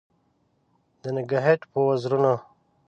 د نګهت په وزرونو